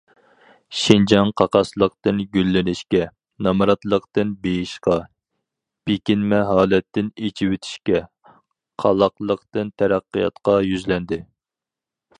شىنجاڭ قاقاسلىقتىن گۈللىنىشكە، نامراتلىقتىن بېيىشقا، بېكىنمە ھالەتتىن ئېچىۋېتىشكە، قالاقلىقتىن تەرەققىياتقا يۈزلەندى.